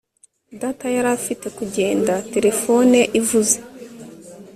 t] [t] data yari hafi kugenda, telefone ivuze